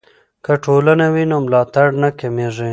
که ټولنه وي نو ملاتړ نه کمېږي.